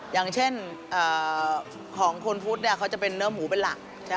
อย่างเช่นของคนพุทธเขาจะเป็นเนื้อหมูเป็นหลัก